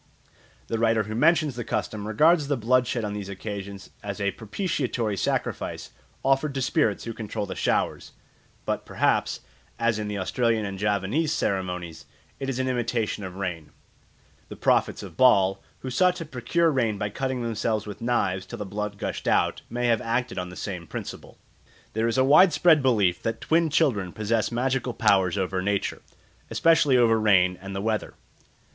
The writer who mentions the custom regards the blood shed on these occasions as a propitiatory sacrifice offered to spirits who control the showers; but perhaps, as in the Australian and Javanese ceremonies, it is an imitation of rain. The prophets of Baal, who sought to procure rain by cutting themselves with knives till the blood gushed out, may have acted on the same principle. There is a widespread belief that twin children possess magical powers over nature, especially over rain and the weather.